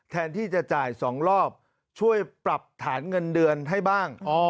แทนที่จะจ่าย๒รอบช่วยปรับฐานเงินเดือนให้บ้าง